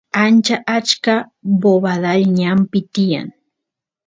ancha achka bobadal ñanpi tiyan